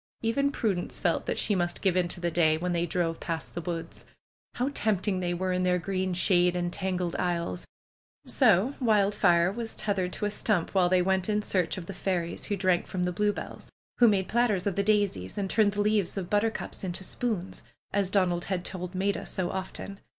Even Prudence felt that she must give into the day when they drove past the woods. How tempting they were in their green shade and tangled aisles ! So Wild fire was tethered to a stump while they went in search of the fairies who drank from the bluebells; who made platters of the daisies and turned the leaves of butter cups into spoons, as Donald had told Maida so often.